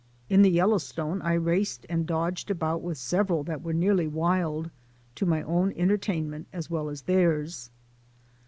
In the Yellowstone I raced and dodged about with several that were nearly wild, to my own entertainment as well as theirs.